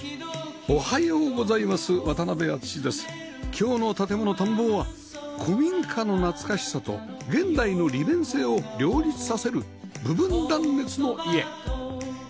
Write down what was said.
今日の『建もの探訪』は古民家の懐かしさと現代の利便性を両立させる部分断熱の家